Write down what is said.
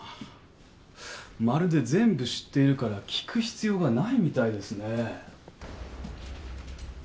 まるで全部知っているから聞く必要がないみたいですね。